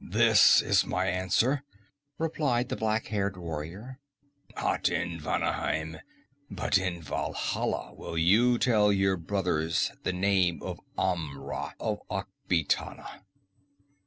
"This is my answer," replied the black haired warrior: "Not in Vanaheim, but in Valhalla will you tell your brothers the name of Amra of Akbitana."